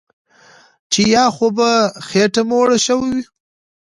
چې یا خو په خېټه موړ شوی